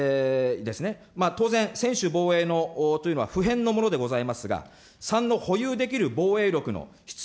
当然、専守防衛というのは不変のものでございますが、３の保有できる防衛力の必要